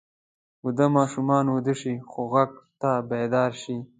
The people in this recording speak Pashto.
ویده ماشومان ویده شي خو غږ ته بیدار شي